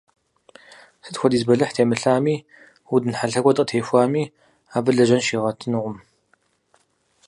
Сыт хуэдиз бэлыхь темылъами, удын хьэлъэ куэд къытехуами, абы лэжьэн щигъэтынукъым.